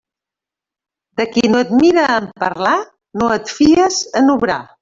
De qui no et mire en parlar, no et fies en obrar.